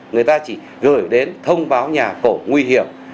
người ta chỉ gửi đến thông báo nhà cổ nguy hiểm